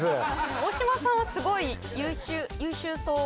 大島さんはすごい優秀そう。